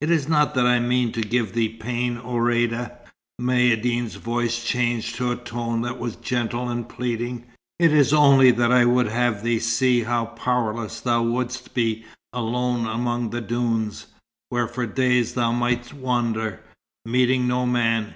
"It is not that I mean to give thee pain, Ourïeda." Maïeddine's voice changed to a tone that was gentle and pleading. "It is only that I would have thee see how powerless thou wouldst be alone among the dunes, where for days thou mightst wander, meeting no man.